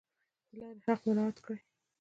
د لارې حق مراعات کړئ